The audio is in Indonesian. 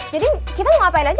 jadi kita mau ngapain aja